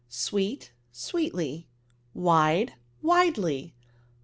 Sweet, Sweetly. Wide, Widely.